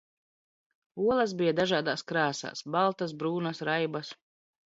Olas bija dažādās krāsās, baltas, brūnas, raibas.